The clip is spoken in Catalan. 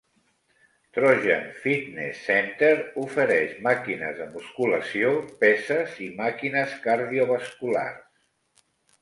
Trojan Fitness Center ofereix màquines de musculació, peses i màquines cardiovasculars.